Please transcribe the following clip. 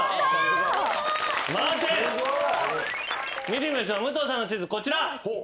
見てみましょう武藤さんの地図こちら。